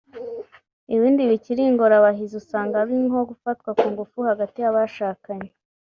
Ibindi bikiri ingorabahizi usanga ari nko gufatwa ku ngufu hagati y’abashakanye